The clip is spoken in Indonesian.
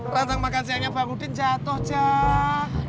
rantang makan siangnya bang udin jatuh jack